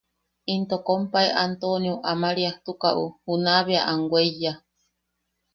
Into kompae Antonio Amariastukaʼu juna bea am weiya.